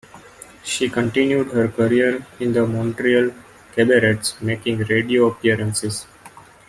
She continued her career in the Montreal cabarets, making radio appearances.